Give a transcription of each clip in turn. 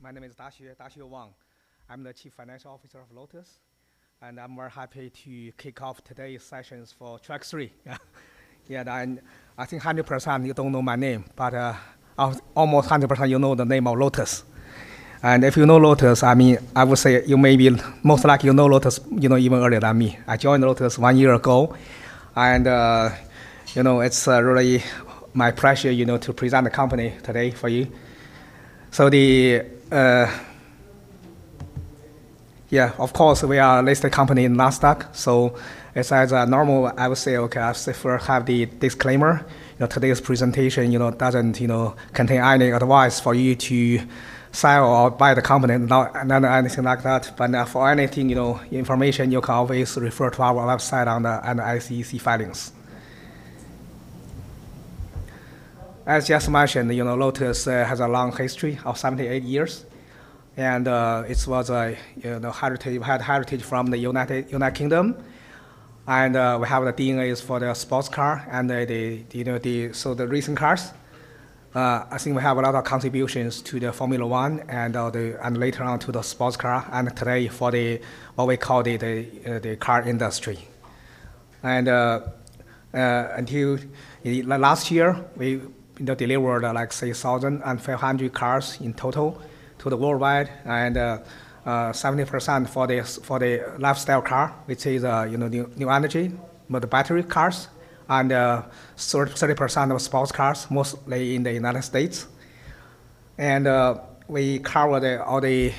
My name is Daxue Wang. I'm the Chief Financial Officer of Lotus, and I'm very happy to kick off today's sessions for track 3. I think 100% you don't know my name, but almost 100% you know the name of Lotus. If you know Lotus, I mean, I would say you may be most likely you know Lotus, you know, even earlier than me. I joined Lotus one year ago, it's really my pleasure, you know, to present the company today for you. Of course, we are a listed company in Nasdaq. As a normal, I would say, I prefer have the disclaimer. You know, today's presentation, you know, doesn't, you know, contain any advice for you to sell or buy the company, not anything like that. For anything, you know, information, you can always refer to our website on the SEC filings. As just mentioned, you know, Lotus has a long history of 78 years, and it was a, you know, heritage, we had heritage from the United Kingdom. We have the DNAs for the sports car and the racing cars. I think we have a lot of contributions to the Formula One and later on to the sports car and today for what we call the car industry. Until last year, we, you know, delivered like 6,500 cars in total to the worldwide, 70% for the lifestyle car, which is, you know, new energy, with the battery cars, and 30% of sports cars, mostly in the United States. We cover all the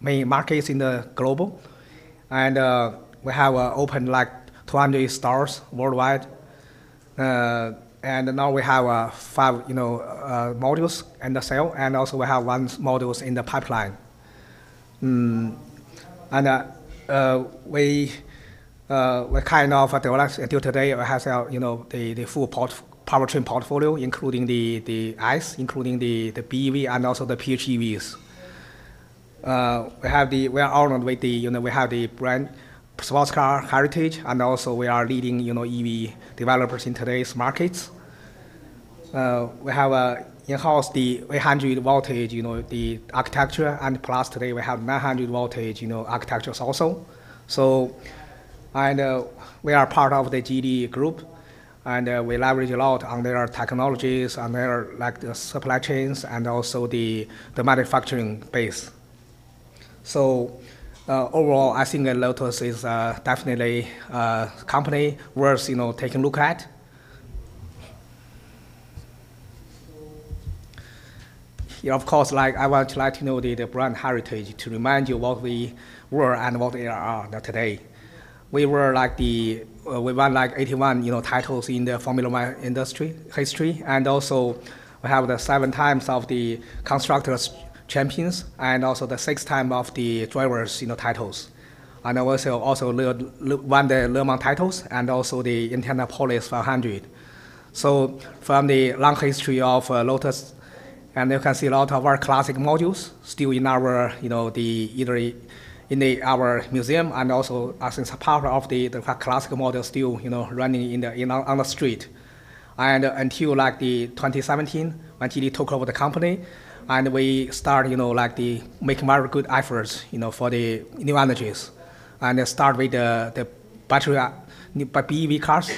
main markets in the global. We have opened like 200 stores worldwide. Now we have five, you know, models in the sale, and also, we have one models in the pipeline. We kind of develop until today, we have, you know, the full powertrain portfolio, including the ICE, including the BEV, and also the PHEVs. We are honored with the, you know, we have the brand sports car heritage, and also, we are leading, you know, EV developers in today's markets. We have in-house the 800 V, you know, the architecture, plus today we have 900 V, you know, architectures also. We are part of the Geely Group, we leverage a lot on their technologies and the supply chains and also the manufacturing base. Overall, I think that Lotus is definitely a company worth, you know, taking a look at. Yeah, of course, like, I would like to know the brand heritage to remind you what we were and what we are today. We were like the, we won like 81, you know, titles in the Formula One industry history, we have the 7x of the constructors champions the sixth time of the drivers, you know, titles. We won the Le Mans titles the Indianapolis 500. From the long history of Lotus, you can see a lot of our classic models still in our, you know, the,, our museum as a part of the classical model still, you know, running in the, in our, on the street. Until, like, the 2017, when Geely took over the company, we start, you know, like the making very good efforts, you know, for the new energies. They start with the battery BEV cars,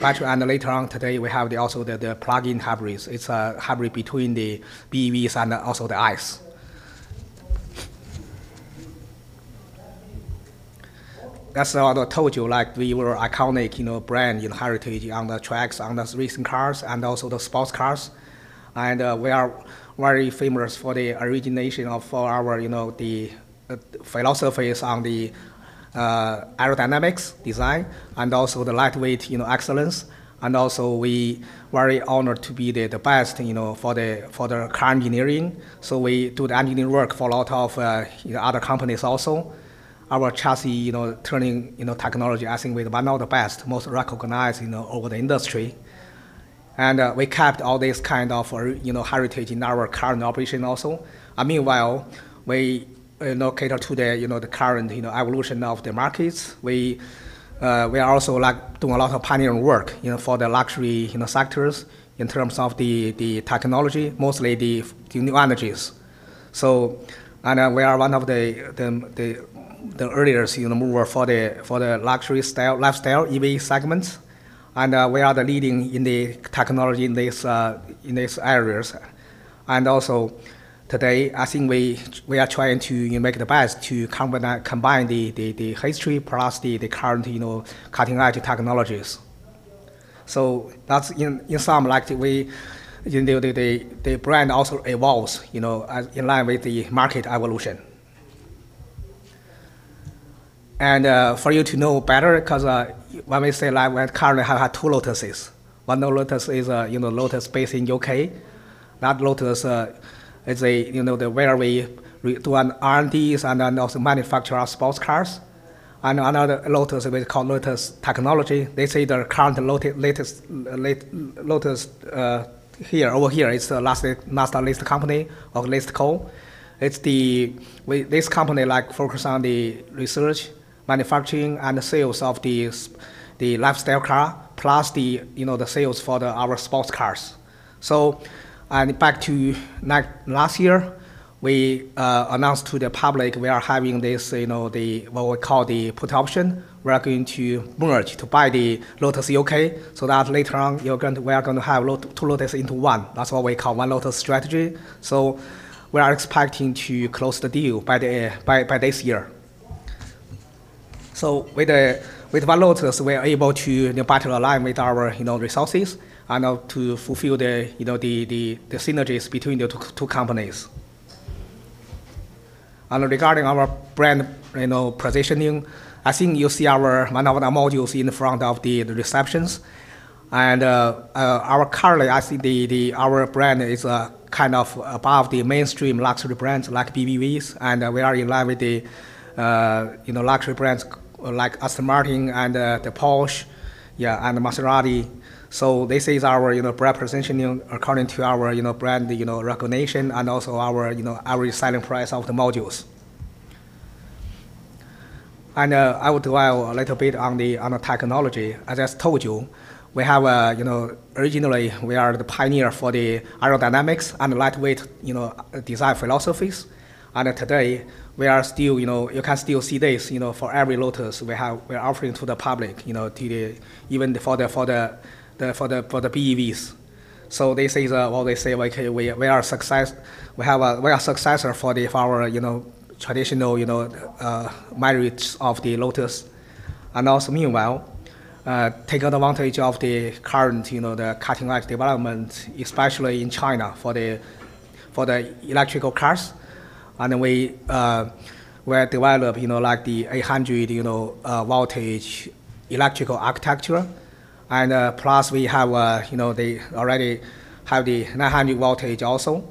battery, and later on today, we have also the plug-in hybrids. It's a hybrid between the BEVs and also the ICE. That's why I told you, like, we were iconic, you know, brand in heritage on the tracks, on the racing cars, and also the sports cars. We are very famous for the origination of our, you know, the philosophies on the aerodynamics design and also the lightweight, you know, excellence. Also we very honored to be the best, you know, for the car engineering. We do the engineering work for a lot of, you know, other companies also. Our chassis, you know, turning, you know, technology, I think we are one of the best, most recognized, you know, over the industry. We kept all this kind of, you know, heritage in our current operation also. Meanwhile, we, you know, cater to the, you know, the current, you know, evolution of the markets. We are also, like, doing a lot of pioneering work, you know, for the luxury, you know, sectors in terms of the technology, mostly the new energies. We are one of the earliest, you know, mover for the luxury style, lifestyle EV segments. We are the leading in the technology in these, in these areas. Also today, I think we are trying to, you know, make the best to combine the history plus the current, you know, cutting edge technologies. That's in some, like, we, you know, the, the brand also evolves, you know, as in line with the market evolution. For you to know better, because, when we say, like, we currently have two Lotuses. One Lotus is, you know, Lotus based in U.K. That Lotus is, you know, where we re-do an R&Ds and then also manufacture our sports cars. Another Lotus we call Lotus Technology. They say the current latest Lotus, here, over here is the last company of list co. This company like focus on the research, manufacturing, and sales of these, the lifestyle car, plus the, you know, the sales for the, our sports cars. Back to last year, we announced to the public we are having this, you know, what we call the put option. We are going to merge to buy the Lotus U.K. so that later on we are going to have two Lotus into one. That's what we call one Lotus strategy. We are expecting to close the deal by this year. With one Lotus, we are able to, you know, better align with our, you know, resources and to fulfill the synergies between the two companies. Regarding our brand, you know, positioning, I think you see our, one of the modules in the front of the receptions. Currently, I think our brand is kind of above the mainstream luxury brands like BMWs, and we are in line with the, you know, luxury brands like Aston Martin and the Porsche, yeah, and Maserati. This is our, you know, brand positioning according to our, you know, brand, you know, recognition and also our, you know, our selling price of the modules. I would dwell a little bit on the technology. As I told you, we have, you know, originally, we are the pioneer for the aerodynamics and lightweight, you know, design philosophies. Today, we are still, you know, you can still see this, you know, for every Lotus we have, we are offering to the public, you know, to the even for the PHEVs. They say the, well, they say like, "Hey, we are successor for the, for our, you know, traditional, you know, merits of the Lotus." Also meanwhile, take advantage of the current, you know, the cutting edge development, especially in China for the electrical cars. We, we are develop, you know, like the 800, you know, voltage electrical architecture. Plus, we have, you know, they already have the 900V also.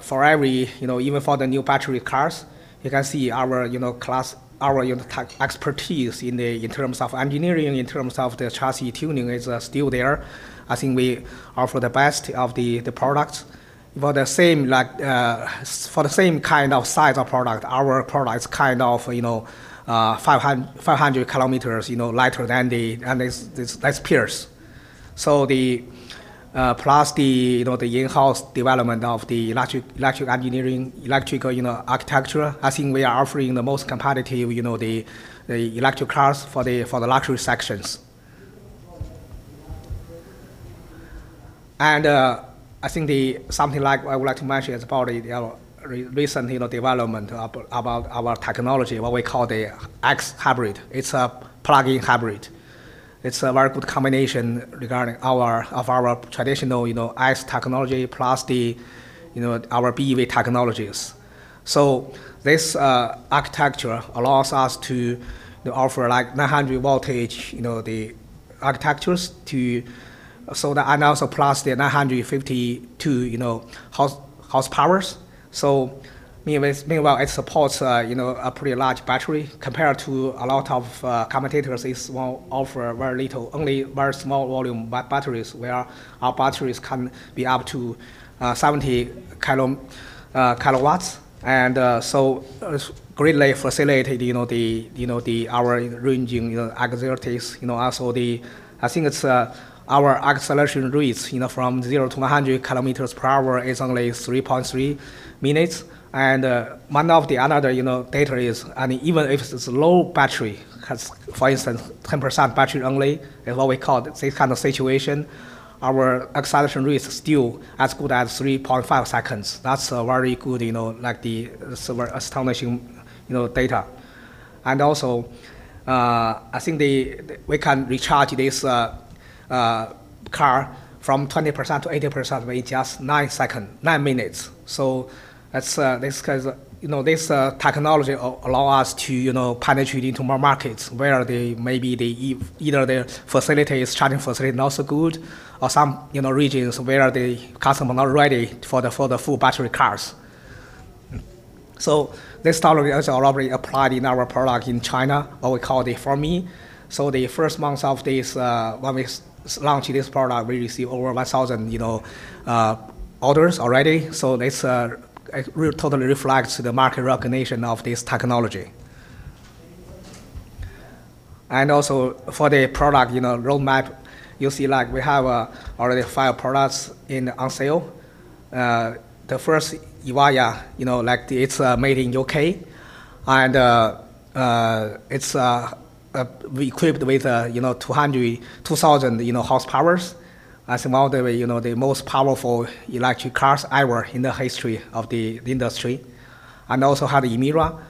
For every, you know, even for the new battery cars, you can see our, you know, class, our, you know, tech expertise in the, in terms of engineering, in terms of the chassis tuning is still there. I think we offer the best of the products. The same like, you know, for the same kind of size of product, our product's kind of, you know, 500 Km, you know, lighter than the, than this peers. The plus the, you know, the in-house development of the electric engineering, electrical, you know, architecture, I think we are offering the most competitive, you know, the electric cars for the, for the luxury sections. I think the, something like I would like to mention is about the recent, you know, development about our technology, what we call the X-Hybrid. It's a plug-in hybrid. It's a very good combination regarding our traditional, you know, ICE technology plus the, you know, our PHEV technologies. This architecture allows us to offer like 900 V, you know the architectures to plus the 952 V, you know, horsepower. Meanwhile it supports, you know, a pretty large battery compared to a lot of competitors is offer very little, only very small volume batteries, where our batteries can be up to 70 kW. It's greatly facilitated, you know, the, you know, the, our ranging, you know, activities. You know, also the, I think it's our acceleration rates, you know, from 0 to 100 Km/h is only 3.3 minutes. One of the another, you know, data is, and even if it's low battery, has for instance 10% battery only, is what we call this kind of situation, our acceleration rate is still as good as 3.5 seconds. That's a very good, you know, like the sort of astonishing, you know, data. Also, I think, we can recharge this car from 20% to 80% with just 9 minutes. That's, this comes, you know, this technology allow us to, you know, penetrate into more markets where maybe either the charging facility is not so good or some, you know, regions where the customer not ready for the full battery cars. This technology is already applied in our product in China, what we call the For Me. The first months of this, when we launch this product, we receive over 1,000, you know, orders already. This totally reflects the market recognition of this technology. For the product, you know, roadmap, you'll see like we have already five products on sale. The first Emeya, you know, like it's made in U.K. and it's equipped with, you know, 2,000, you know, horsepower. As well, the most powerful electric cars ever in the history of the industry. Have Emira.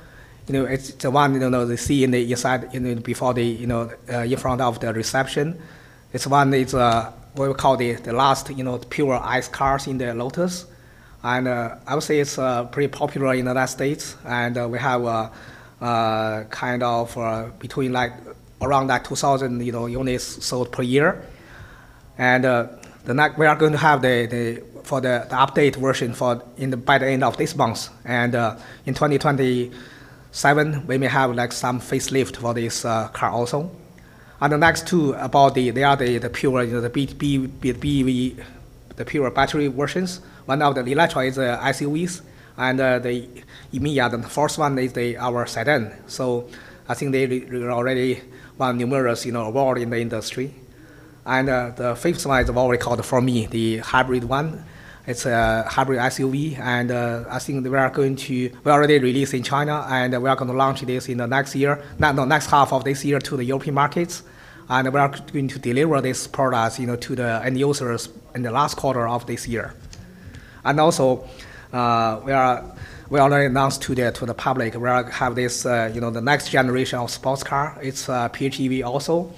You know, it's the one, you know, you see in the inside, you know, in front of the reception. It's one, it's what we call the last, you know, pure ICE cars in the Lotus. I would say it's pretty popular in the United States, and we have a kind of between like around like 2,000, you know, units sold per year. The next we are gonna have the update version by the end of this month. In 2027, we may have like some facelift for this car also. The next two they are the pure, you know, the BEV, the pure battery versions. One of the Eletre is SUVs, and the Emeya, the first one is the, our sedan. I think they already won numerous, you know, award in the industry. The fifth slide is what we call the For Me, the hybrid one. It's a hybrid SUV, and I think we already released in China, and we are gonna launch this in the next half of this year to the European markets. We are going to deliver this product, you know, to the end users in the last quarter of this year. Also, we already announced to the public, we are have this, you know, the next generation of sports car. It's PHEV also,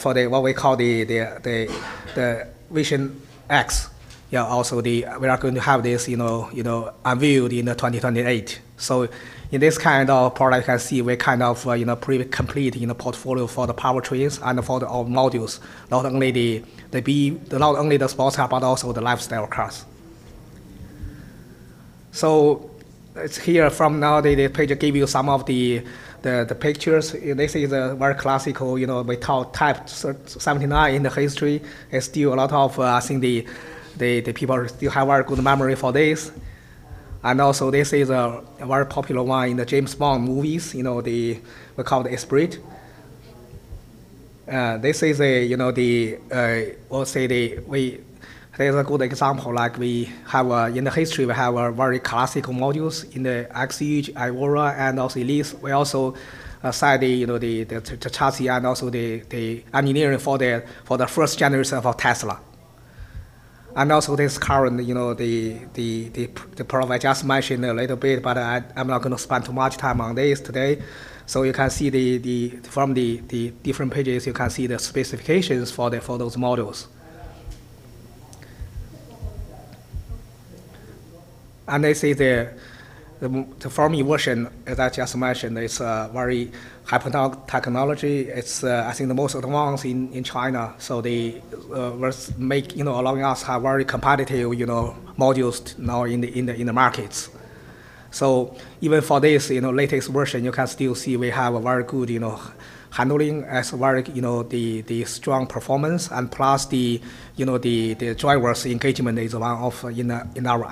for the what we call the Vision X. Yeah, also we are going to have this, you know, you know, unveiled in 2028. In this kind of product, you can see we're kind of, you know, pretty complete in the portfolio for the powertrains and for the all modules. Not only the sports car, but also the lifestyle cars. It's here from now, the page give you some of the pictures. This is a very classical, you know, we call Type 79 in the history. Still a lot of, I think the people still have very good memory for this. Also this is a very popular one in the James Bond movies, you know, the called Esprit. This is a, you know, or say, here's a good example, like we have in the history, we have a very classical modules in the Exige, Evora, and also Elise. We also sell the, you know, the chassis and also the engineering for the first generation of Tesla. This car in the, you know, the product I just mentioned a little bit, but I'm not gonna spend too much time on this today. You can see the, from the different pages, you can see the specifications for those models. They say the For Me version, as I just mentioned, is very high technology. It's, I think the most advanced in China, so the was make, you know, allowing us have very competitive, you know, modules now in the markets. Even for this, you know, latest version, you can still see we have a very good, you know, handling as very, you know, the strong performance and plus the, you know, the driver's engagement is a lot of, you know, in our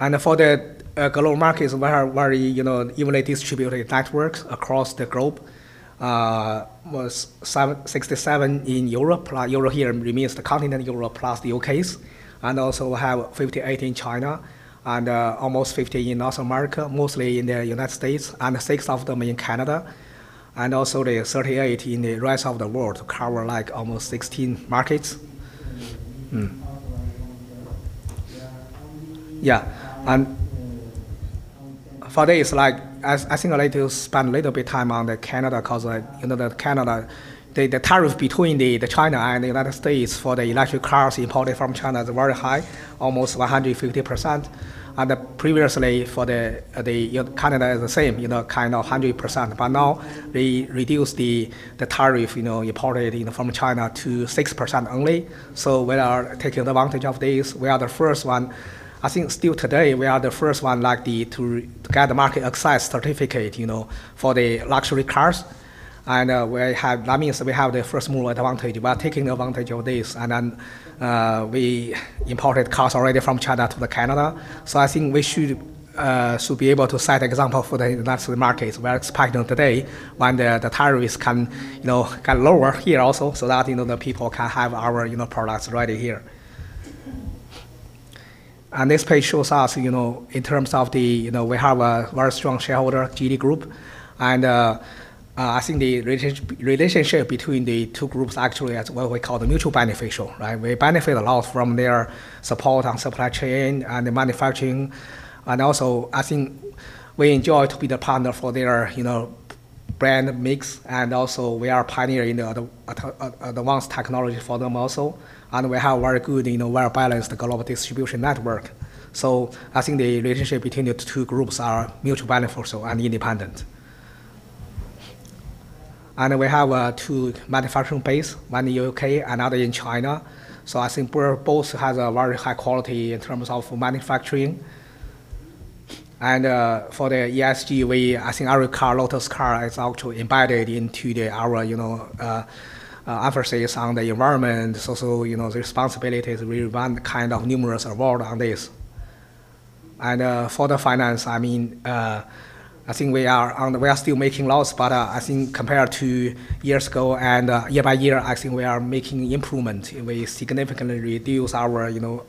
assets. For the global markets, we are very, you know, evenly distributed networks across the globe. We're 67 in Europe, plus Europe here remains the continental Europe plus the U.K.'s. Also have 58 in China and almost 50 in North America, mostly in the United States, and six of them in Canada. Also the 38 in the rest of the world cover like almost 16 markets. For this, like, I think I'd like to spend a little bit time on Canada because, you know, Canada, the tariff between China and the United States for the electric cars imported from China is very high, almost 150%. Previously for, you know, Canada is the same, you know, kind of 100%. Now they reduce the tariff, you know, imported, you know, from China to 6% only. We are taking advantage of this. We are the first one. I think still today, we are the first one, like, to get the market access certificate, you know, for the luxury cars. That means we have the first mover advantage. We are taking advantage of this. Then, we imported cars already from China to the Canada. I think we should be able to set example for the luxury markets where it's practical today when the tariffs can, you know, can lower here also so that, you know, the people can have our, you know, products right here. This page shows us, you know, in terms of the, you know, we have a very strong shareholder, Geely Group. I think the relationship between the two groups actually is what we call the mutual beneficial, right? We benefit a lot from their support on supply chain and manufacturing. Also, I think we enjoy to be the partner for their, you know, brand mix. Also, we are pioneer in the advanced technology for them also. We have very good, you know, well-balanced global distribution network. I think the relationship between the two groups are mutual beneficial and independent. We have two manufacturing base, one in the U.K., another in China. I think we're both has a very high quality in terms of manufacturing. For the ESG, I think every car, Lotus car is actually embedded into the our, you know, emphasis on the environment. You know, the responsibility is we won kind of numerous award on this. For the finance, I mean, I think we are still making loss, but I think compared to years ago and year by year, I think we are making improvement. We significantly reduce our, you know,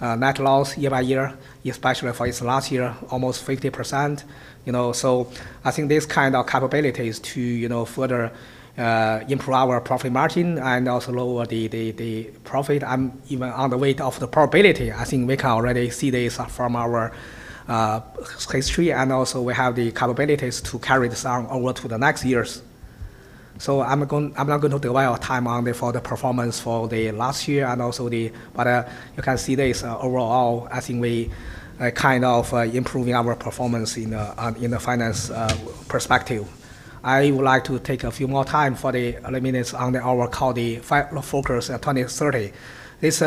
net loss year by year, especially for this last year, almost 50%. You know, I think this kind of capabilities to, you know, further improve our profit margin and also lower the profit and even on the weight of the profitability, I think we can already see this from our history, and also we have the capabilities to carry this on over to the next years. I'm not gonna delay our time on before the performance for the last year and also you can see this overall, I think we are kind of improving our performance in the finance perspective. I would like to take a few more time for the elements on our call the focus at 2030. This,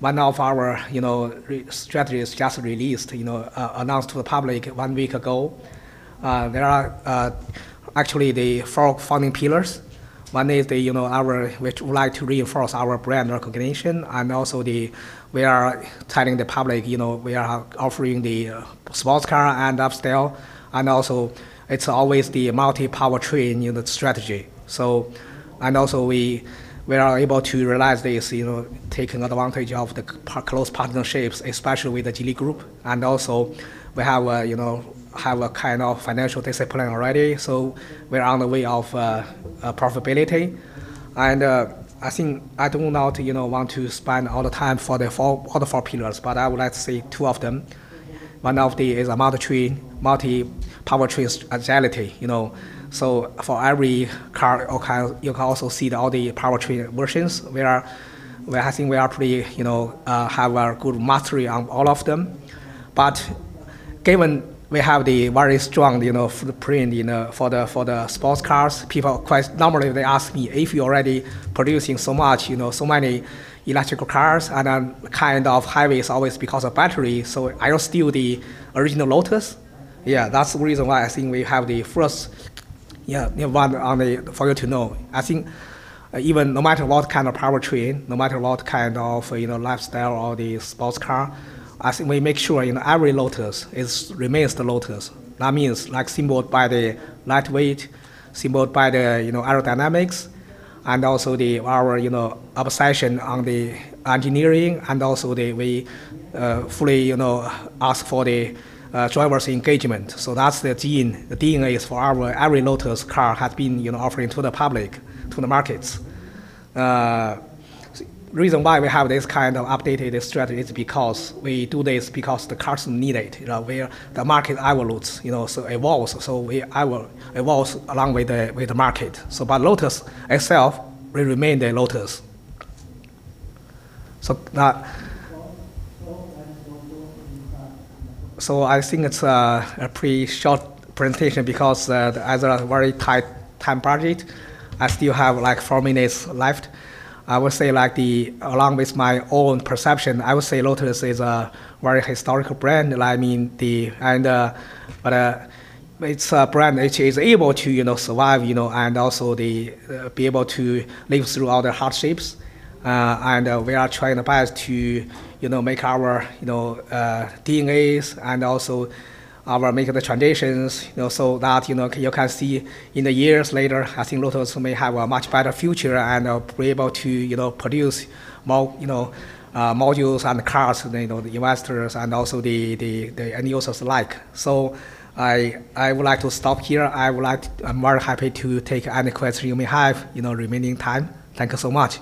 one of our, you know, strategies just released, announced to the public one week ago. There are, actually the four founding pillars. One is the, you know, We would like to reinforce our brand recognition, and also the, we are telling the public, you know, we are offering the sports car and upstill, and also it's always the multi-powertrain unit strategy. We are able to realize this, you know, taking advantage of the close partnerships, especially with the Geely Group. We have a, have a kind of financial discipline already, so we're on the way of profitability. I think I do not, you know, want to spend all the time for the four pillars, but I would like to say two of them. One of the is a multi-powertrain agility, you know. For every car, you can also see all the powertrain versions. We are I think we are pretty, you know, have a good mastery on all of them. Given we have the very strong, you know, footprint, you know, for the, for the sports cars, people quite normally they ask me, "If you're already producing so much, you know, so many electrical cars and, kind of high-rise always because of battery, are you still the original Lotus?" Yeah, that's the reason why I think we have the first, yeah, one on the for you to know. I think even no matter what kind of powertrain, no matter what kind of, you know, lifestyle or the sports car, I think we make sure, you know, every Lotus remains the Lotus. That means, like, symbolized by the lightweight, symbolized by the, you know, aerodynamics, and also our, you know, obsession on the engineering, and also, we fully ask for the driver's engagement. That's the gene. The DNA is for our, every Lotus car has been, you know, offering to the public, to the markets. Reason why we have this kind of updated strategy is because we do this because the cars need it. You know, the market evolves, you know, so evolves. We will evolve along with the market. Lotus itself will remain the Lotus. I think it's a pretty short presentation because as a very tight time project, I still have, like, four minutes left. I would say, like, along with my own perception, I would say Lotus is a very historical brand. I mean, it's a brand which is able to, you know, survive, you know, and also be able to live through all the hardships. We are trying our best to, you know, make our, you know, DNAs and also Make the transitions, you know, so that, you know, you can see in the years later, I think Lotus may have a much better future and be able to, you know, produce more, you know, modules and cars, you know, the investors and also the end users like. I would like to stop here. I'm very happy to take any questions you may have, you know, remaining time. Thank you so much.